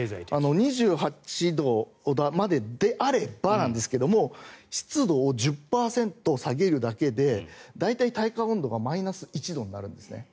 ２８度までであればなんですが湿度を１０％下げるだけで大体、体感温度がマイナス１度になるんですね。